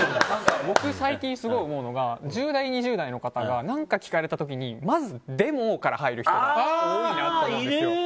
僕最近、すごい思うのが１０代、２０代の方が何か聞かれたときにまず「でも」から入る人が多いなと思うんですよ。